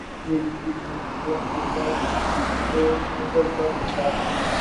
یہ دل کی موت وہ اندیشہ و نظر کا فساد